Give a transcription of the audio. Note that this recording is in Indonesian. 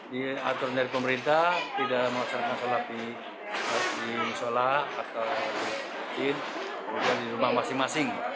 diatur dari pemerintah tidak memaksakan salat di masjid di sholat di masjid di rumah masing masing